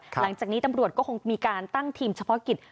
หลังจากนี้ตำรวจก็คงมีการตั้งทีมเฉพาะกิจ